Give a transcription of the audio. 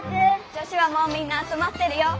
女子はもうみんなあつまってるよ。